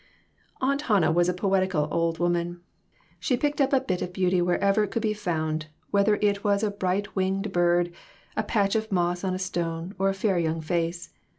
Aunt Hannah was a poetical old woman. She picked up a bit of beauty wherever it could be found, whether it was a bright winged bird, a patch of moss on a stone or a fair young face.